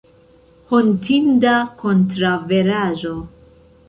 Hontinda kontraŭveraĵo!